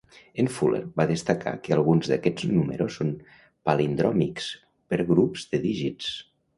En Fuller va destacar que alguns d'aquests números són palindròmics per grups de dígits.